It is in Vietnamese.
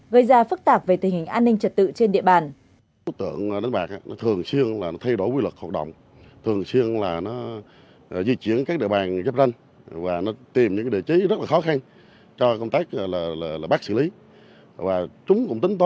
gây ra phức tạp về tình hình an ninh trật tự trên địa bàn